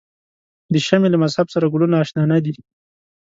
د شمعې له مذهب سره ګلونه آشنا نه دي.